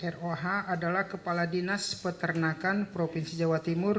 roh adalah kepala dinas peternakan provinsi jawa timur